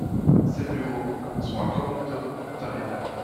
Ses bureaux sont à Toronto, Ontario.